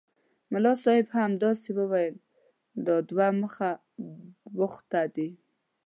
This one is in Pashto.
ملا صاحب هم همداسې ویل دا دوه بخته دي.